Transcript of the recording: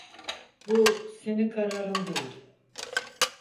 Bu senin kararın değil.